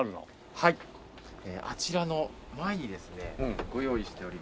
はいあちらの前にですねご用意しております。